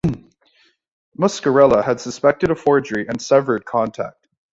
Muscarella had suspected a forgery and severed contact.